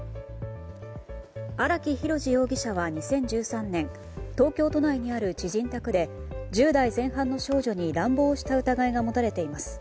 荒木博路容疑者は２０１３年東京都内にある知人宅で１０代前半の少女に乱暴した疑いが持たれています。